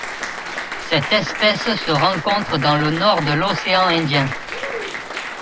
Cette espèce se rencontre dans le nord de l'océan Indien.